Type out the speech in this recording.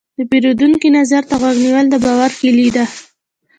د پیرودونکي نظر ته غوږ نیول، د باور کلي ده.